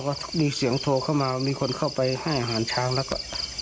ก็มีเสียงโทรเข้ามามีคนเข้าไปให้อาหารช้างแล้วก็